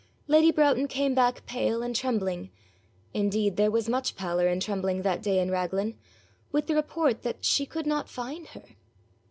Lady Broughton came back pale and trembling indeed there was much pallor and trembling that day in Raglan with the report that she could not find her.